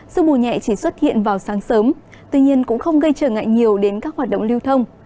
sương mù nhẹ chỉ xuất hiện vào sáng sớm tuy nhiên cũng không gây trở ngại nhiều đến các hoạt động lưu thông